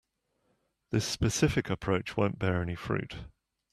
This specific approach won't bear any fruit.